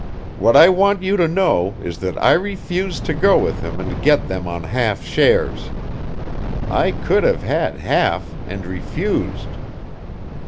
"What I want you to know is that I refused to go with him and get them on half shares. I could have had half, and refused....